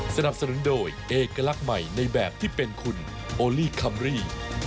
สนับสนุนโดยเอกลักษณ์ใหม่ในแบบที่เป็นคุณโอลี่คัมรี่